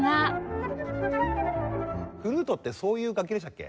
フルートってそういう楽器でしたっけ？